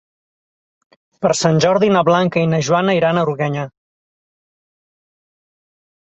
Per Sant Jordi na Blanca i na Joana iran a Organyà.